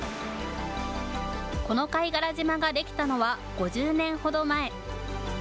この貝殻島ができたのは５０年ほど前。